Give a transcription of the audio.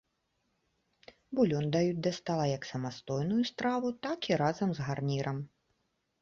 Булён даюць да стала як самастойную страву, так і разам з гарнірам.